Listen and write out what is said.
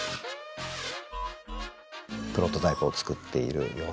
プロトタイプを作っている様子ですね。